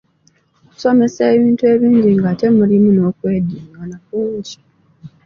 Okusomesa ebintu ebingi ng’ate mulimu n’okweddingana kungi.